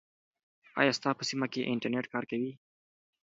آیا ستا په سیمه کې انټرنیټ کار کوي؟